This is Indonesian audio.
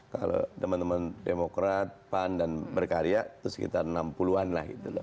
kalau teman teman demokrat pan dan berkarya itu sekitar enam puluh an lah gitu loh